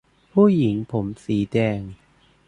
ผู้หญิงผมสีแดง